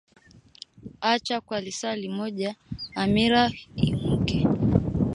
Acha kwa lisaa limoja hamira iumuke